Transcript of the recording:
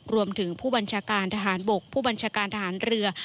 รวมถึงผู้บัญชาการทหารบกผู้บัญชาการทหารเรือ